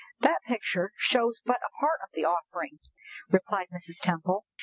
"That picture shows but a part of the offering," replied Mrs. Temple.